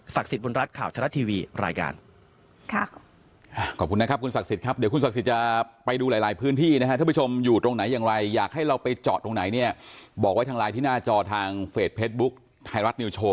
ศักดิ์สิทธิ์บนรัฐข่าวทะลัดทีวีรายการ